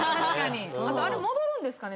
あとあれ戻るんですかね？